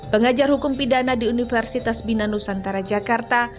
pengajar hukum pidana di universitas bina nusantara jakarta